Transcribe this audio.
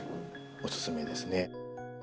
おすすめですね。